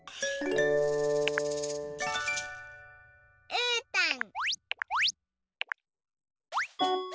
うーたん！